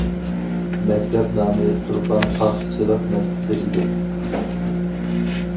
مەكتەپ نامى تۇرپان پاختىچىلىق مەكتىپى ئىدى.